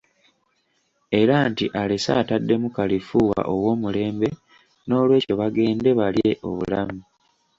Era nti alese ataddemu kalifuuwa ow'omulembe n'olwekyo bagende balye obulamu.